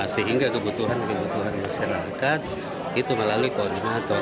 sehingga kebutuhan kebutuhan masyarakat itu melalui koordinator